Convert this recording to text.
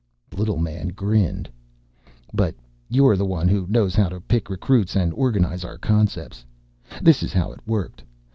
The little man grinned. "But you're the one who knows how to pick recruits and organize our concepts. This is how it worked.